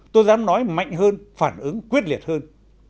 tôi dám nói mạnh hơn phản ứng quyết liệt hơn